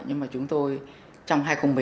nhưng mà chúng tôi trong hai nghìn một mươi tám